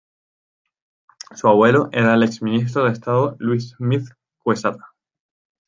Su abuelo era el exministro de Estado Luis Schmidt Quezada.